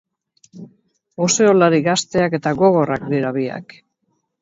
Boxeolari gazteak eta gogorrak dira biak.